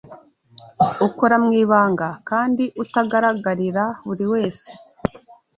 ukora mu ibanga kandi utagaragarira buri wese